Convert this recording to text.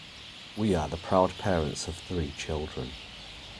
We are the proud parents of three children.